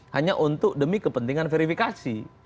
hanya untuk demi kepentingan verifikasi